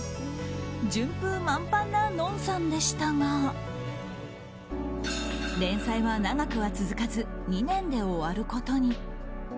順風満帆なＮＯＮさんでしたが連載は長くは続かず２年で終わることに。